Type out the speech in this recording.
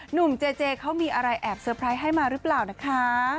หนุ่มเจเจเขามีอะไรแอบเซอร์ไพรส์ให้มาหรือเปล่านะคะ